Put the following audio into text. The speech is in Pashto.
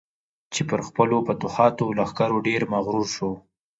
چې پر خپلو فتوحاتو او لښکرو ډېر مغرور شو.